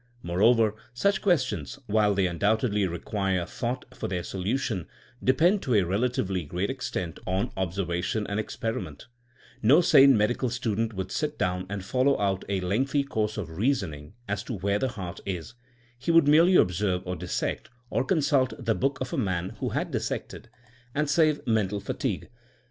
Moreover, such questions, while they undoubtedly require thought for their solution, depend to a relatively great extent on observation and experiment No sane medical student would sit down and follow out a lengthy course of reasoning as to where the heart is; he would merely observe or dissect, or consult the book of a man who had dissected, and save 212 THINKINa AS A 80IEN0E mental fatigue.